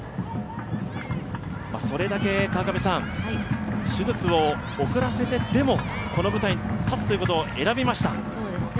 それだけ手術を遅らせてでもこの舞台に立つということを選びました。